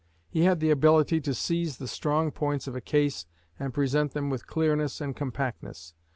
He had the ability to seize the strong points of a case and present them with clearness and compactness.